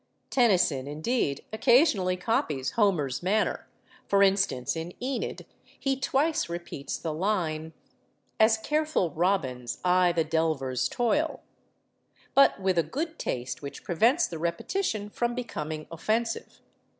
Tennyson, indeed, occasionally copies Homer's manner—for instance, in 'Enid,' he twice repeats the line— As careful robins eye the delver's toil;— but with a good taste which prevents the repetition from becoming offensive.